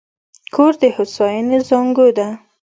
کور د هوساینې زانګو ده.